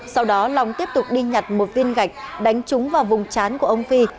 sau đó lòng tiếp tục đi nhặt một viên gạch đánh trúng vào vùng chán của ông phi